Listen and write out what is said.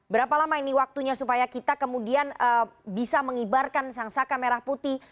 berapa lama ini waktunya supaya kita kemudian bisa mengibarkan sang saka merah putih